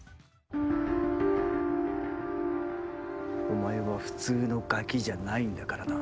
お前は普通のガキじゃないんだからな。